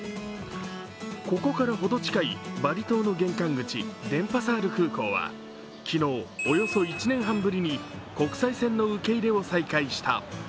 ここからほど近いバリ島の玄関口、デンパサール空港は昨日、およそ１年半ぶりに国際線の受け入れを再開した。